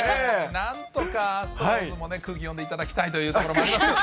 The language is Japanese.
なんとかアストロズもね、空気を読んでいただきたいというところもありますけど。